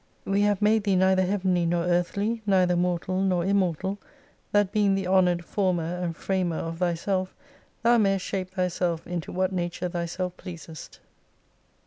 We have made thee neither heavenly nor earthly, neither mortal nor immortal, that being the honoured former and framer of thyself, thou mayest shape thyself into what nature thyself pleasest